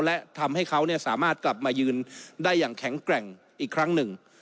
และทำให้เขาสามารถกลับมายืนได้อย่างแข็งแกร่งอีกครั้งหนึ่ง